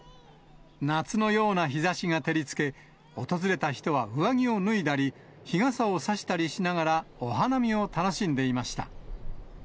夏のような日ざしが照りつけ、訪れた人は上着を脱いだり、日傘をさしたりしながらお花見を楽しんでいました。